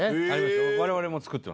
我々も作ってます。